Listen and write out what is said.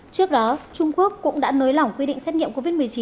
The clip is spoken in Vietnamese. trước đó trung quốc cũng đã nới lỏng quy định xét nghiệm covid một mươi chín